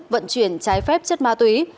vận chuyển trái phép chất ma túy